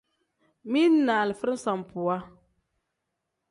Mili ni alifa sambuwa.